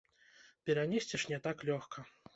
Перанесці ж не так лёгка.